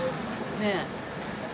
ねえ。